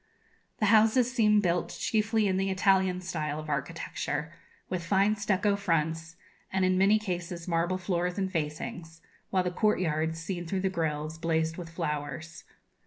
The houses seem built chiefly in the Italian style of architecture, with fine stucco fronts, and in many cases marble floors and facings, while the courtyards, seen through the grilles, blazed with flowers.